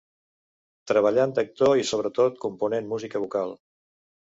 Treballant d'actor, i sobretot, component música vocal.